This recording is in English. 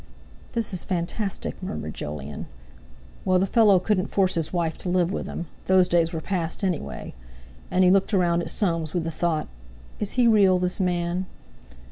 "This is fantastic," murmured Jolyon. Well, the fellow couldn't force his wife to live with him. Those days were past, anyway! And he looked around at Soames with the thought: "Is he real, this man?"